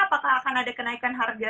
apakah akan ada kenaikan harga